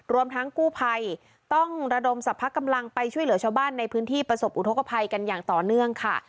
รวมทั้งกู้ภัยต้องระดมสรรพกำลังไปช่วยเหลือชาวบ้านในพื้นที่ประสบอุทธกภัยกันอย่างต่อเนื่องค่ะ